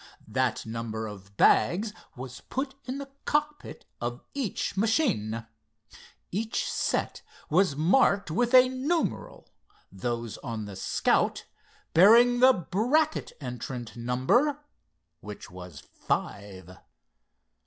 That number of bags was put in the cockpit of each machine. Each set was marked with a numeral, those on the Scout bearing the Brackett entrant number, which was five.